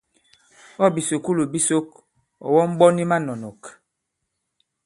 Ɔ̂ bìsùkulù bi sok, ɔ̀ wɔm ɓɔn i manɔ̀nɔ̀k.